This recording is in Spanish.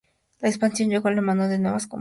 La expansión llegó de la mano de nuevas compras.